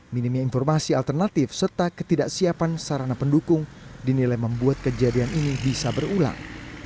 minimnya informasi alternatif serta ketidaksiapan sarana pendukung dinilai membuat kejadian ini bisa berulang